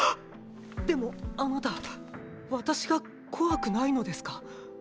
でもあなた私が怖くないのですか？